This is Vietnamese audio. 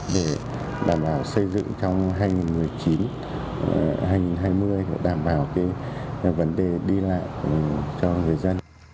để đảm bảo xây dựng trong hai nghìn một mươi chín hai nghìn hai mươi đảm bảo vấn đề đi lại cho người dân